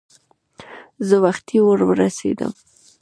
زه وختي ور ورسېدم.